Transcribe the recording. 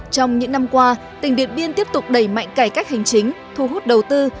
trong những năm qua tỉnh điện biên tiếp tục đẩy mạnh cải cách hành chính thu hút đầu tư